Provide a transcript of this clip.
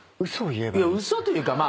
嘘というかまあ。